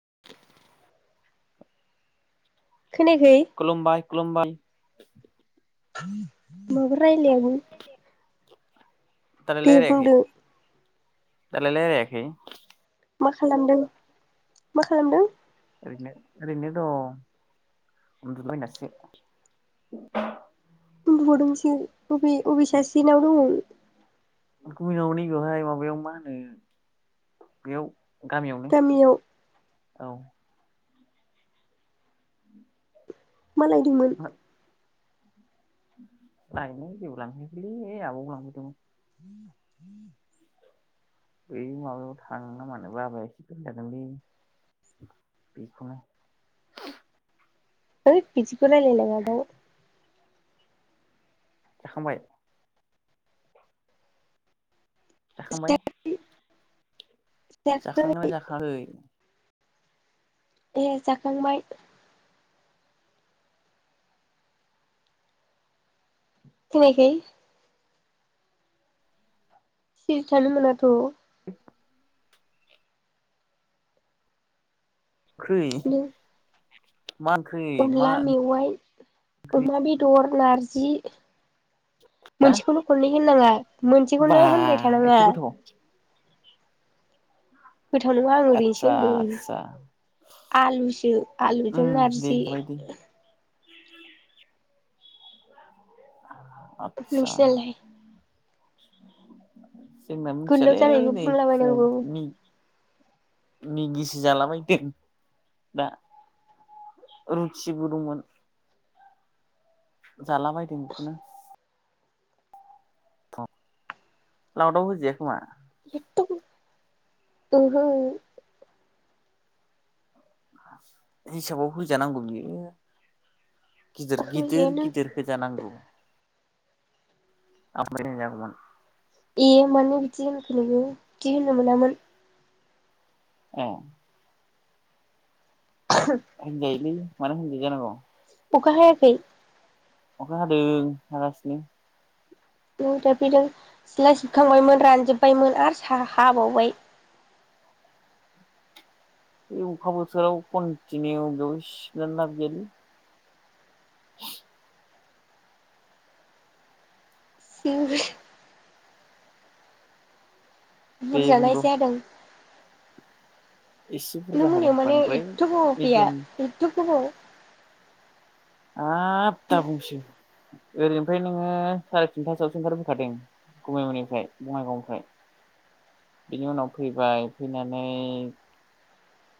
[inaudible] खोनायाखै खलुमबाय खलुमबाय। [inaudible] माबा रायलायाबो। दालाय दे लायरायाखै बुंदो दालाय लायाखै। मा खालामदों? मा खालामदों? ओरैनो ओरैनो दं उन्दुाबायनासो। गुदुंसिं उबे उबि सासि नाव दं? कुमिनाव नै बेेवहाय माबायाव मा होनो बेयाव गामियावनो। गामियाव औ मालायदोंमोन? लायनाय जेबो लांफैखैलै आबौखौ लांफैदोंमोन। बै माबायाव थां ना मानो बाबाय एसे दोनजागोनलै बेखौनो होथ बेस खौ रायलाय नाङा बाव। जाखांबाय? जाखांबाय? जाखां गोनना जाखांङाखै? ए जाखांबाय। [unintelligible] सिरि थानो मोनाथ। [inaudible] खै नों अनला मेवाइ अमा बेदर। नारजि हा मोनसेखौनो खननै होननाङा बा मोनसेखौनो होनबाय एथ' थानाङा गोथाव गोथाव नङा आं ओरैनोसो आतसा होनदों आतसा आलुसो उम आलुजों दे नारजि जाबाय दे आतसा नोंसिनालाय [inaudible] जोंना गोलाव मिथियालै जानायनि नै बुंलाबायनांगौ फुंनि मेगिसो जालाबायदों दा रुथिबो दंमोन जालाबायदों बेखौनो लावदाव होजाया खोमा? ओंहो हिसाबाव होजानांगौ बियो गिदिर गिदिर होजायानो गिदिर होजानांगौ [unintelligible] ए मानो बिदि होनखो नोङो बिदि होननो मोनामोन ए होनजायोलै मानो होनजाया जानांगौ अखा हायाखै? अखा हादों हागासिनो। दफैदों सिथला सिबखांबायमोन रानजोबबायमोन आरो सा हाबावबाय बे अखा बोथोराव कन्टिनिउ बेयाव सिबनानै लाबागैयालै सि दे बुरजाना बुंद' एसे हादों? एसे। नों बुरजा हादों मोनायाव मानो बांद्राय एथथ' गोबाव फैया मिडियाम एथथ' गोबाव हाब दाबुंसै। ओरैनिफ्राय नोङो साराय थिनथासोआवसो ओंखारबोखादों गुमैमोननिफ्राय बङाइगावनिफ्राय। बिनि उनाव फैबाय फैनानै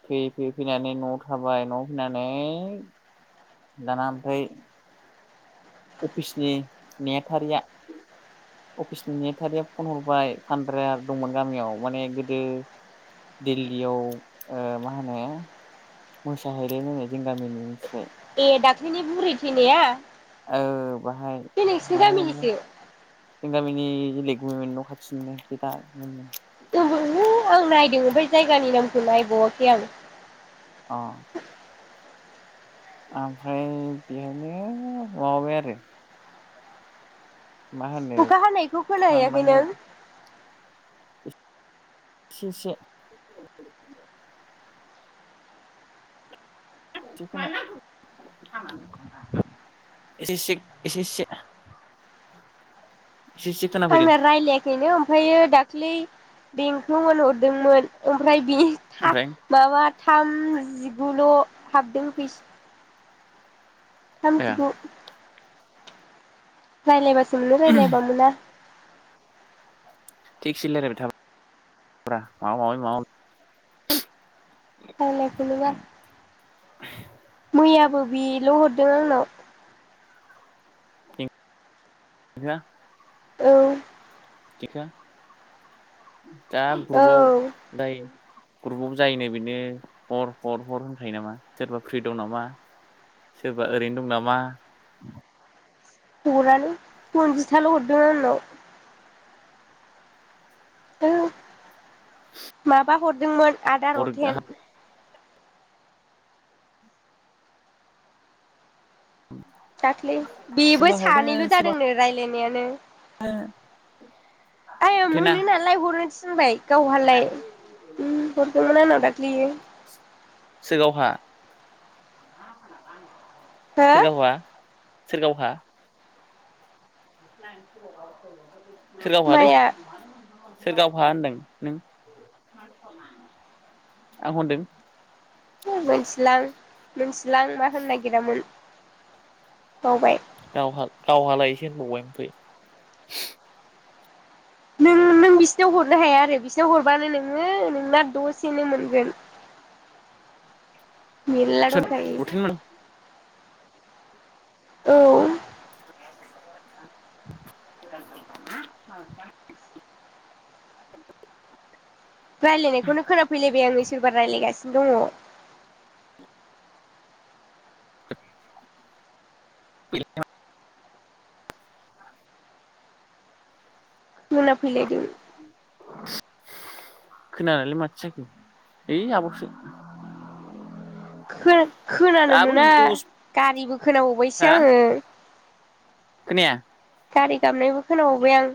फैयै फैयै फैनानै न'आव थाबाय न'आव थानानै दाना ओमफ्राय अफिसनि नेहाथारिया अफिसनि नेहाथारिया फन हरबाय फानद्रा दंमोन गामियाव माने गोदो दिल्लीयाव मा होनो मोसाहैल होनो जों गामिनि मिथिबाय? ए दाख्ल्लिनि बुरै थैनाया? औ बाहाय बे नोंसिनि मा होनो ओमफ्राय गामिनिसो जों गामिनि गलेगनिमोन न' खाथिनो दा नो आं नायदों बै जायगानि नामखौ नायबावाखै आं अ। ओमफ्राय बेहायनो माबाबाय आरो मा होनो अखा हानायखौ खोनाहायाखै थांनांबाय नों इसे इसे। [unintelligible] एसे एसे खोनाफैदों आंना रायलायाखैनो ओमफ्रायायो दा दाख्लै बेंथ' मोनहरदोंमोन ओमफ्राय बिनिथा ओमफ्राय माबा थाम जिगुल' हाबदों फै ए थामजिगु। राइलायबा जोंनो रायज्लायबा मोना थिगसे रायलायबाय थाब्रा माबा माबि रायलायाखैनो बा। [inaudible] मैयाबो बिल' हरदों आंनाव माबा [unintelligible] औ। [unintelligible] दा औ ग्रुपआव दायो ग्रुपआव जायोनो बेनो हर हर हर होनखायो नामा सोरबा फ्रि दं नामा सोरबा ओरैनो दं नामा। हरालै खनजिथाल' हरदों आंनाव। औ माबा हरदोंमोन। आदार हर रथेन दाख्लै बेबो सोरबा हरदो सानैल' सोरबा जादोंनो रायज्लायनाय नायानो। आइया हरथेना मोनो नालाय हरनो थिनबाय गावहालाय हरदोंमोन आंनाव बेयो। सोआवहा। हो सोर गाव हा। सोर गावहा। [unintelligible] सोर गावहालै। माया सोर गावहाहा होनदों नों आं हनदों? मिथिलां मिथि लांना होननो नागिरामोन बावबाय गावहा गावहालायसो होनबावबाय ओमफाइ नों नों बिसिनाव हरनो हाया आरो बिसोरनाव हरबानो नोङो नोंना दसेनो मोनगोन। मेला दं सोर खायो। लथेन मोन औ [inaudible] रायज्लायनायखौनो गोनां फैलायबाय आं सोरबा रायलाय गासिनो दं। बे [inaudible] नना फैलाय दों। खोनालाय माथो जाखो। ऐ आब'सो। [inaudible] फ [inaudible] खोनानो दाबो मोना। दस गारिबो हा खोनाबावबायसो आं। खोनाया गारि गाबनायबो खोनाबावबाय आं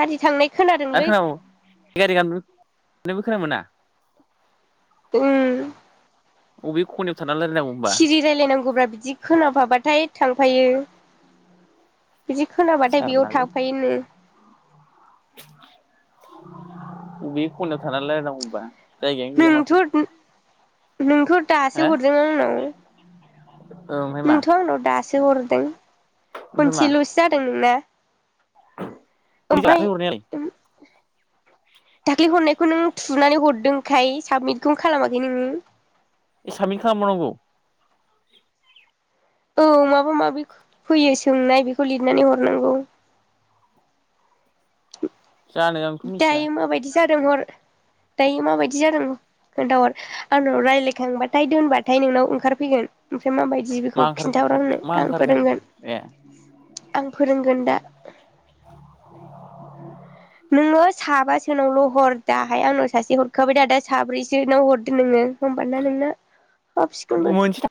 गारि थांनाय आरो खोनादोंलै खोनाबाव गारि गाबनो नोंबो खोनामोना। उम। अबे खनायाव थाना रायलायनांगौ होमबा सिरि रायलायनांगौब्रा बिदि खोनफाबाथाय थांफायो। बिदि खोनाबाथाय बेयाव जारलालै थाफायो अबे खनायाव थानानै रायलायनांगौ होनबा नोंथ' नोंथ' हो दासो हरदों आंनाव औ ओमफ्राय मा नोंथ' आंनाव दासो हर दों ओमफ्राय मा खनसेल'सो जादों नोंना। ओमफाय दाख्लै हरनायालाय दाख्लि हरनायखौ नों थुनानै हरदोंखाय साबमिटखौनो खालामाखै नोङो। ए साबमिथ खालामबावनांगौ। औ माबा माबि फैयो सोंनाय बेखौ लिरनानै हरनांगौ जानो आंथ' मिथिया दायो माबायदि जादों हर दायो माबायदि जादों खोन्थाहर आंनाव रायलायखांबाथाय दोनबाथाय नोंनाव ओंखारफैगोन फाय माबायदि मा बेखौ ओंखार खिन्थाहर आंनो मा आं ओंखारगोन फोरोंगोन ए आं फोरोंगोन दा [inaudible] नोङो साबासोनावल' हर दाहाय आंनाव सासे हरखाबाय दा दा साब्रैसोनाव हरदो नोङो होमबानोना नोंना हाबसिगोनबो मोनसे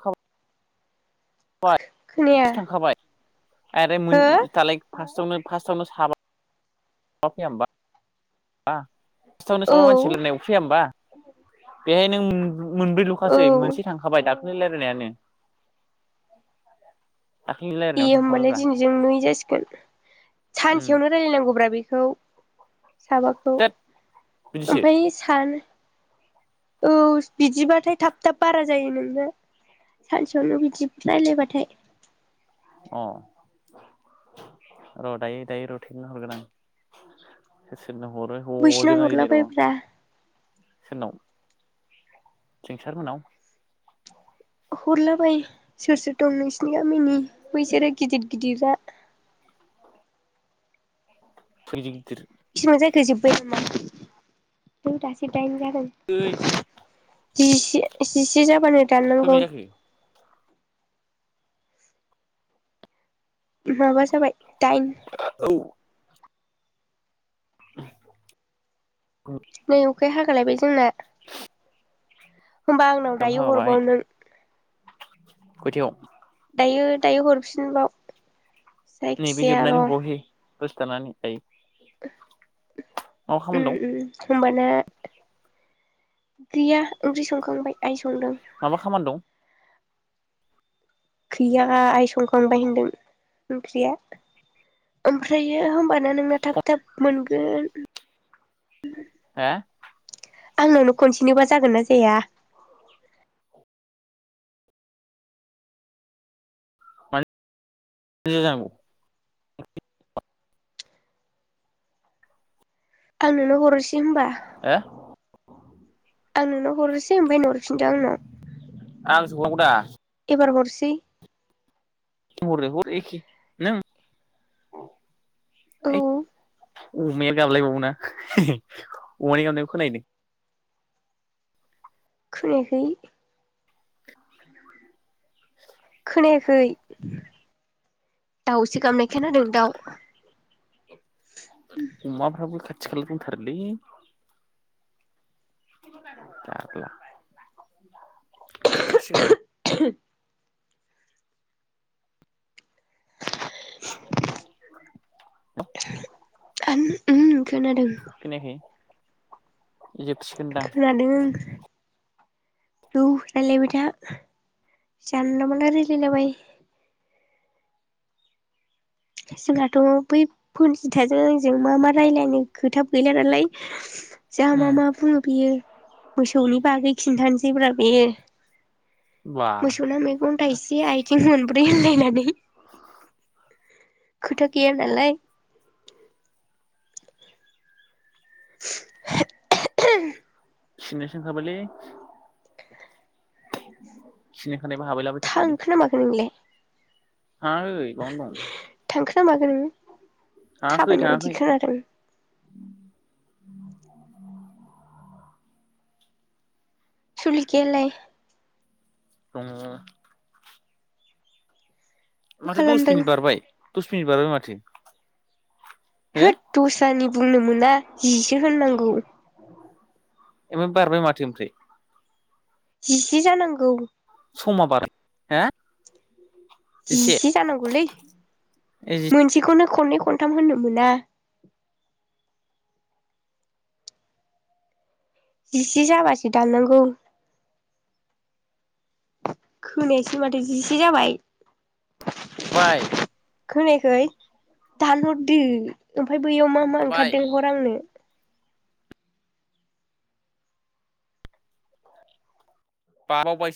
[inaudible] खोनाया बाय थांखाबाय आरो मोन हो दालाइ फासथ फार्स्टावनो साबा फैया होमबा हा फासस्थावनो औ साबा मा मानसिजों रायलायनायावसो फैया होमबा बेहाय नों मोनब्रै औ लखासै मोनसे थांखाबाय दा ओरैनो रायलायनाया ए होमबालाय दिनैजों नै जासिगोन फाय उम सानसेयावनो रायलायनांगौब्रा बेखौ साबाखौ थोद बिदिसो ओमफाय सान औ बिदिबाथाय थाब थाब बारा जायो नोंना सानसेयावनो बिदि रायलायबाथाय। अ र' दायो दायो र' थेनो हरगोन आं सोर सोरनो हरो बैसिनाव हजोबना हरला दिनै र' आं बायब्रा। सोरनाव जोंसार मोननाव। हरलाबाय सोर सोर दं नोंसिनि गामिनि बैसोरो गिदिर गिदिरा। फै गिदिर। फिसा जागो जोब्बाय नामा नै दासो दाइन ओइ जा जिसि जिसे जाबानो खय मिनिट दाननांगौ। जाखो माबा जाबाय दाइन औ। [unintelligible] नै अखाया हागा हालायबाय जोंना। [unintelligible] होमबा आंनाव दाम दायो हरबाव हाबाय नों खयथायाव दायो दायो हरफिनबाव। नैबे जायखिजाया जोबनानै र हरबावसै दसे थांनानै दायो आव खामानि दं। होबाना गैया ओंख्रि संखांबाय आइ संदों माबा खामानि दं। गैया आइ संखांबाय होनदों ओंख्रिया ओमफ्रायो होनबा ना नोंना थाब थाब मोनगोन हो आंनावनो खनसेनोबा जागोन ना जाया मानो [unintelligible] आंनोंनो हर'सि दे होमबा अ आं नोंनाव हरसै ओमफाय नों हरफिनदो आंनो आं सोहवनांगौ दा गुआर हरसि [unintelligible] एख नों। औ अमाया गाबलायबावोना अमानि गाबनायाव खोना है दों खोनायाखै खोनायाखै दावसो गामनायखोनादों दाव थि खाला दंथारो लै [unintelligible] जोबथारसिगोन र' [unintelligible] आन उम खोनादों खोनायाखै जोबसिगोनदां दौ रायलायबायथा जानला मानला रायलाय लाबाय जोंहाथ' बै फुनजिथाजों आंजों मा मा रायजलायनो खोथा गैला नालाय जों उम मा मा बुङो बियो मोसौनि बागै खिन्थानोसैब्रा बेयो बा मोसौ ना मैगं थाइसे आथिं मोन ब्रै होनलायनानै [inaudible] खोथा गैया नालाय [unintelligible] खिनोसो ओंखारबायलै खिनो ओंखारनायबा हाबहैलाबाय थाथोंलै थांखोना माखो नोंलाय थाङाखै बावनो दं माखोनों थाङाखै थाबायनाय बायदि थाङाखै खोनादों सुलिखायालाय दङ मा माथो दस खालामदों मिनिट बारबाय। दस मिनिट बारबाय माथो? हो होद दस्रानि बुंनो मोना? जिसो होननांगौ। एमान बारबाय माथो ओमफ्राय जिसे जानांगौ समा बार हे जिसे जानांगौलै ए जिसे मोनसेखौनो खनै खनथाम होननो मोना? जिसे जाबासो दाननांगौ। खोनायासै माथो जिसे जाबाय। बाइ खोनाखै दानहरदो ओमफ्राय बैयाव मा मा बारबाय ओंखारदों हर आंनो। बा बाव बास